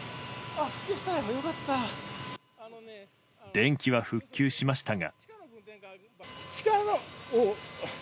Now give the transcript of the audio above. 電気は復旧しましたが。